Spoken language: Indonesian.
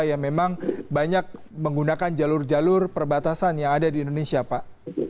yang memang banyak menggunakan jalur jalur perbatasan yang ada di indonesia pak